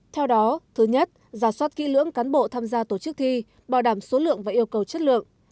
theo đó thứ nhất giả soát kỹ lưỡng cán bộ tham gia tổ chức thi bảo đảm số lượng và yêu cầu chất lượng